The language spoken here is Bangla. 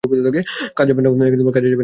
কাজে যাবে না?